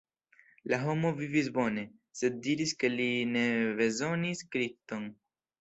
La homo vivis bone, sed diris ke li ne bezonis Kriston.